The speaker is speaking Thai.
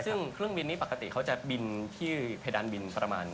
ซึ่งเครื่องบินนี้ปกติเขาจะบินที่เพดานบินประมาณ